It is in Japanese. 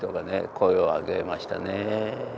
声を上げましたね。